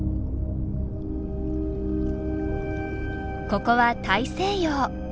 ここは大西洋。